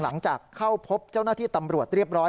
หลังจากเข้าพบเจ้าหน้าที่ตำรวจเรียบร้อย